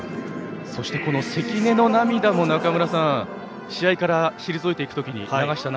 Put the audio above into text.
そして関根の涙も試合から退いていくとき流した涙